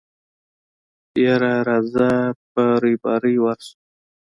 يره راځه په رېبارۍ ورشو.